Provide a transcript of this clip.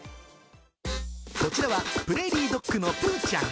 こちらはプレーリードッグのぷーちゃん。